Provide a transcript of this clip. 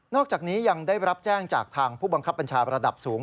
อกจากนี้ยังได้รับแจ้งจากทางผู้บังคับบัญชาประดับสูง